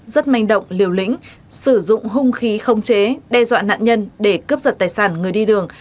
rất manh động liều lĩnh sử dụng hung khí không chế đe dọa nạn nhân để cướp giật tài sản người đi đường